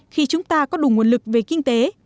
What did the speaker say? khi chúng ta có đủ nguồn lực về kinh tế